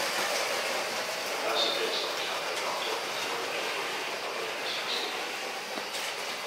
House events like Carpe Noctem are coordinated weekly by the Adams House Committee.